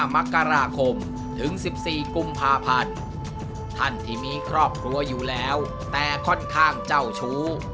มกราคมถึง๑๔กุมภาพันธ์ท่านที่มีครอบครัวอยู่แล้วแต่ค่อนข้างเจ้าชู้